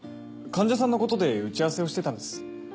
患者さんのことで打ち合わせをしてたんです。